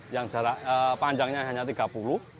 yang panjangnya hanya tiga puluh cm